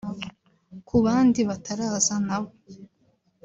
Ku bandi bataraza na bo